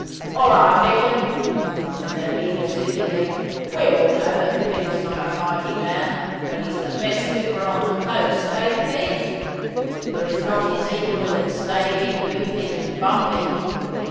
'All right, Dicon,' said their leader soothingly. 'We all know that Pete's not a fighting man, but he's the best cooper on the coast, eh, Pete? There is not his equal at staving, hooping, and bumping.